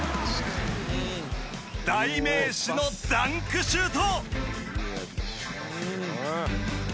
代名詞のダンクシュート。